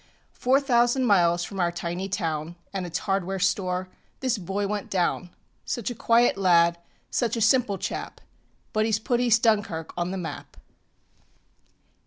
Four thousand miles from our tiny town And its hardware store, this boy went down. Such a quiet lad, such a simple chap But heŌĆÖs put East Dunkirk on the map!